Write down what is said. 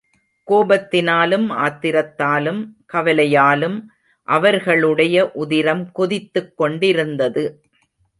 கோபத்தினாலும், ஆத்திரத்தாலும், கவலையாலும் அவர்களுடைய உதிரம் கொதித்துக் கொண்டிருந்தது.